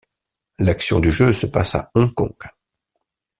L'action du jeu se passe à Hong Kong.